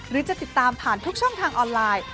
หรือจะติดตามผ่านทุกช่องทางออนไลน์